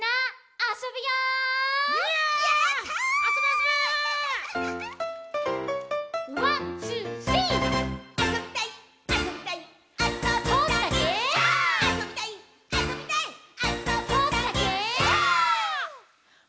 「あそびたいっ！」